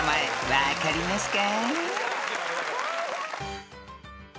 分かりますか？］